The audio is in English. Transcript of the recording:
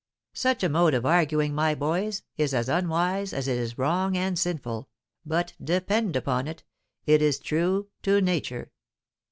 Such a mode of arguing, my boys, is as unwise as it is wrong and sinful, but, depend upon it, it is true to nature.